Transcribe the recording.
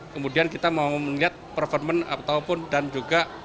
kemudian kita mau melihat performance ataupun dan juga